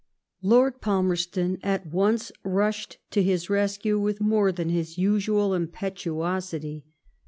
Lord Palmerston at once rushed to his rescue with more than his usual impetuosity.